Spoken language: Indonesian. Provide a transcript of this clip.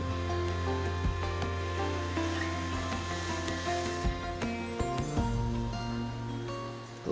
dan para peselancar bermain